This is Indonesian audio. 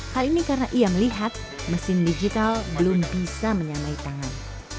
hal ini karena ia melihat mesin digital belum bisa menyamai tangan